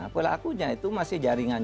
pelakunya itu masih jaringan